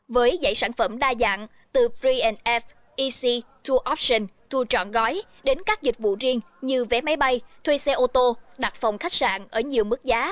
với giải sản phẩm đa dạng từ free and f easy two option thu trọn gói đến các dịch vụ riêng như vé máy bay thuê xe ô tô đặt phòng khách sạn ở nhiều mức giá